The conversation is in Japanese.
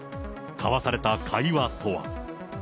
交わされた会話とは。